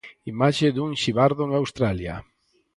Imaxe dun xibardo en Australia.